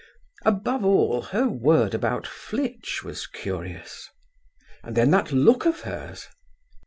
Above all, her word about Flitch was curious. And then that look of hers!